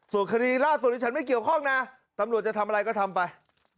ส่วนคดีล่าสุดที่ฉันไม่เกี่ยวข้องนะตำรวจจะทำอะไรก็ทำไป